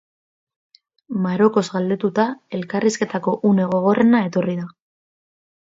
Marokoz galdetuta, elkarrizketako une gogorrena etorri da.